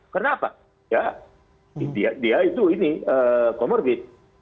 kenapa ya dia itu ini comorbid